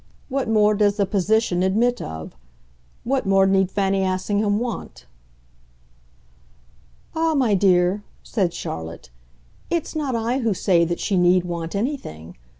What more does the position admit of? What more need Fanny Assingham want?" "Ah, my dear," said Charlotte, "it's not I who say that she need want anything.